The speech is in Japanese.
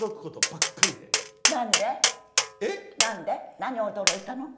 何を驚いたの？